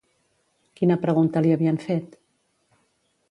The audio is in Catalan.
Quina pregunta li havien fet?